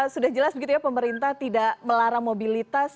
sudah jelas begitu ya pemerintah tidak melarang mobilitas